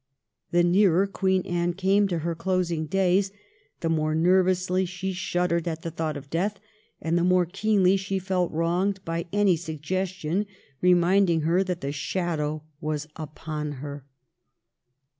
The nearer Queen Anne came to her closing days, the more nervously she shuddered at the thought of death, and the more keenly she felt wronged by any suggestion remind ing her that the shadow was upon her.